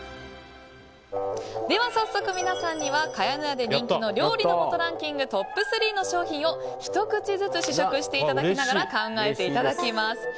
早速、皆さんには茅乃舎で人気の料理の素ランキングトップ３の商品をひと口ずつ試食していただきながら考えていただきます。